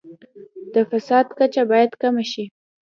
د فساد کچه باید کمه شي.